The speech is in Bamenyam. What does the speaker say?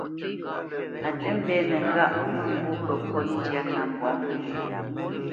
A tə mbénə ŋgâʼ mə ŋgó pə kot ndyâ ŋá mbwǎ mə.